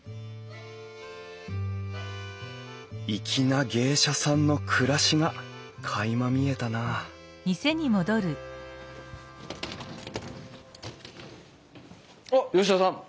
粋な芸者さんの暮らしがかいま見えたなおっ吉田さん！